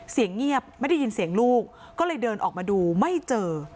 เสียงเงียบไม่ได้ยินเสียงลูกก็เลยเดินออกมาดูไม่เจอ